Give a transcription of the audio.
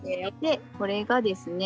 これがですね